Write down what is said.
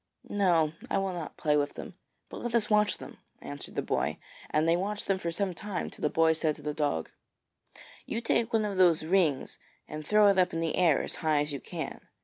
'No; I will not play with them, but let us watch them,' answered the boy, and they watched them for some time, till the boy said to the dog: 'You take one of those rings and throw it up in the air as high as you can.'